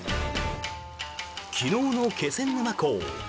昨日の気仙沼港。